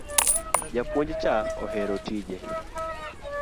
Japuonj cha ohero tije